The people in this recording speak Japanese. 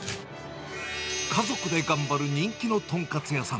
家族で頑張る人気の豚カツ屋さん。